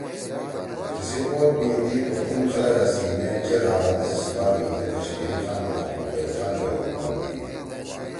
تِیسی پود می تی پختون خلگا سی مےچیر آبادی سی صوبہ می اے کشمیری خان عبدالقیوم خان گے حکومت دیِد